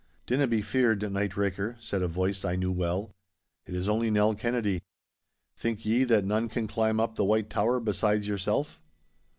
'Dinna be feared, night raker,' said a voice I knew well; 'it is only Nell Kennedy. Think ye that none can climb up the W hite Tower besides yourself?